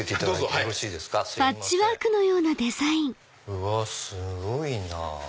うわすごいな。